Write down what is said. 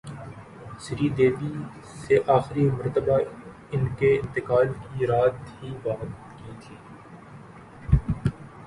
سری دیوی سے اخری مرتبہ انکے انتقال کی رات ہی بات کی تھی